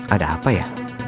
ada apa ya